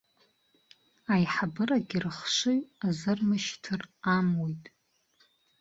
Аиҳабырагьы рыхшыҩ азырмышьҭыр амуит.